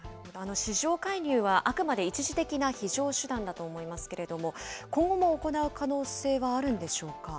市場介入はあくまで一時的な非常手段だと思いますけれども、今後も行う可能性はあるんでしょうか。